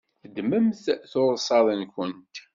Ddmemt tursaḍ-nwent.